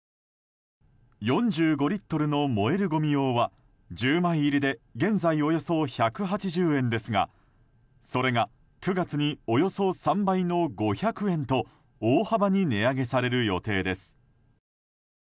４５リットルの燃えるごみ用は１０枚入りで現在およそ１８０円ですがそれが９月におよそ３倍の５００円と大幅に値上げされる予定です。